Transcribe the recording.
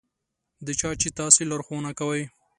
د چا چې تاسې لارښوونه کوئ.